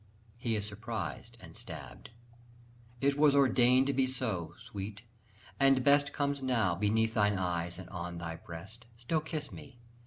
(He is surprised and stabbed.) It was ordained to be so, Sweet, and best Comes now, beneath thine eyes, and on thy breast. Still kiss me!